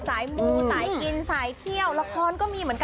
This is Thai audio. สายมูสายกินสายเที่ยวละครก็มีเหมือนกัน